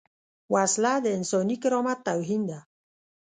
وسله د انساني کرامت توهین ده